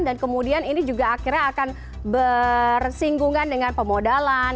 dan kemudian ini juga akhirnya akan bersinggungan dengan pemodalan